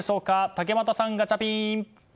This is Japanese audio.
竹俣さん、ガチャピン。